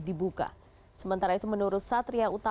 dari bahagian itc tersebut